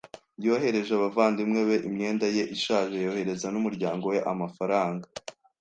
Yohereje abavandimwe be imyenda ye ishaje, yohereza n'umuryango we amafaranga.